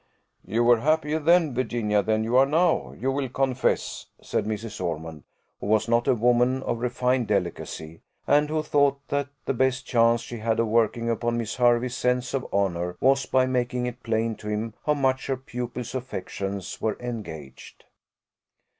"You were happier then, Virginia, than you are now, you will confess," said Mrs. Ormond, who was not a woman of refined delicacy, and who thought that the best chance she had of working upon Mr. Hervey's sense of honour was by making it plain to him how much her pupil's affections were engaged.